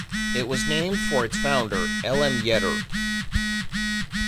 It was named for its founder, L. M. Yetter.